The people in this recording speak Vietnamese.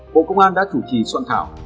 bộ công an đã chủ trì soạn thảo